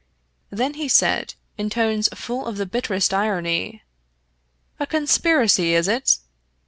Then he said, in tones full of the bitterest irony: "A conspiracy, is it?